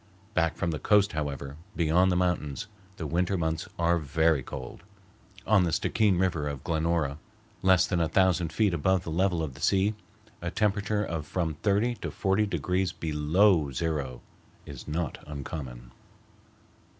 Back from the coast, however, beyond the mountains, the winter months are very cold. On the Stickeen River at Glenora, less than a thousand feet above the level of the sea, a temperature of from thirty to forty degrees below zero is not uncommon.